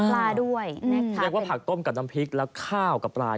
แสดงว่าผักต้มกับน้ำพริกและข้ากับปลา